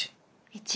１。